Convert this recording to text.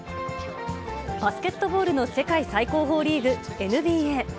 バスケットボールの世界最高峰リーグ、ＮＢＡ。